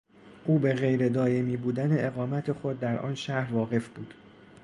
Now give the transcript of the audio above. او به غیر دایمی بودن اقامت خود در آن شهر واقف بود.